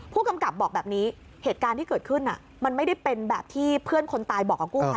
ผู้กำกับบอกแบบนี้เหตุการณ์ที่เกิดขึ้นมันไม่ได้เป็นแบบที่เพื่อนคนตายบอกกับกู้ภัย